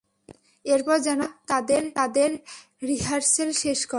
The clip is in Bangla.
এরপর যেন তারা তাদের রিহার্সেল শেষ করে!